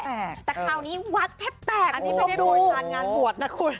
แต่คราวนี้ห้างแปลกอันนี้ไม่ได้โดยการงานบวชนะคุณ